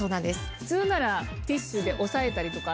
普通ならティッシュで押さえたりとかあるでしょ。